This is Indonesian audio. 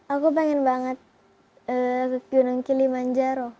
aku pengen banget gunung kilimanjaro